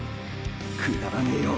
くだらねぇよ！！